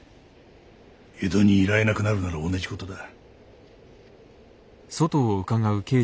江戸に居られなくなるなら同じ事だ。